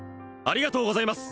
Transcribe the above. ありがとうございます